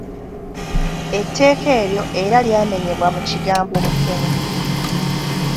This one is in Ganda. Etteeka eryo era lyamenyebwa mu kigambo ‘mukeene.’